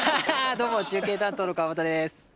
どうも中継担当の川端です。